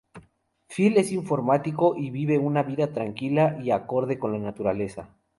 Phil es informático y vive una vida tranquila y acorde con la naturaleza.